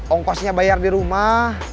ongkosnya bayar di rumah